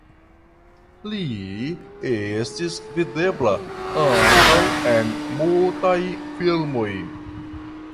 Li estis videbla ankaŭ en mutaj filmoj.